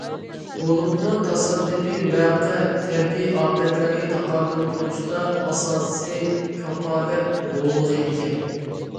بولۇپمۇ تاسادىپىي ۋەقە، تەبىئىي ئاپەتلەرگە تاقابىل تۇرۇشتا ئاساسىي كاپالەت رولىغا ئىگە.